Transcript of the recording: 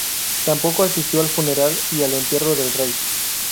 Tampoco asistió al funeral y al entierro del rey.